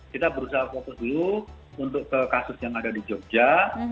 kita berusaha fokus dulu untuk ke kasus yang ada di jogja